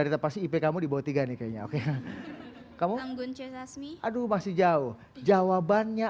rita pasti ip kamu dibawah tiga nih kayaknya oke kamu anggun ceh sasmi aduh masih jauh jawabannya